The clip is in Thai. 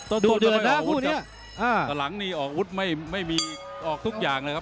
ต้นมันไปออกอุ๊ดครับกลางนี้อุ๊ดไม่มีออกทุกอย่างนะครับ